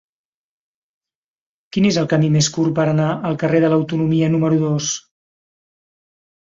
Quin és el camí més curt per anar al carrer de l'Autonomia número dos?